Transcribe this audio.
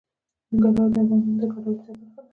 ننګرهار د افغانانو د ګټورتیا برخه ده.